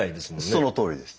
そのとおりです。